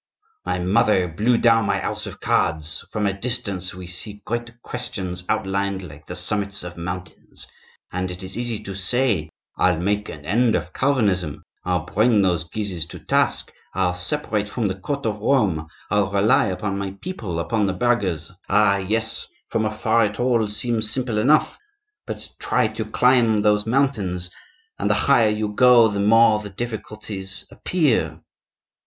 my mother blew down my house of cards! From a distance we see great questions outlined like the summits of mountains, and it is easy to say: 'I'll make an end of Calvinism; I'll bring those Guises to task; I'll separate from the Court of Rome; I'll rely upon my people, upon the burghers—' ah! yes, from afar it all seems simple enough! but try to climb those mountains and the higher you go the more the difficulties appear.